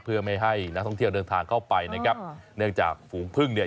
เพื่อไม่ให้นักท่องเที่ยวเดินทางเข้าไปนะครับเนื่องจากฝูงพึ่งเนี่ย